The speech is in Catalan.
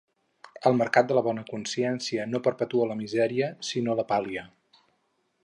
El mercat de la bona consciència no perpetua la misèria sinó que la pal·lia.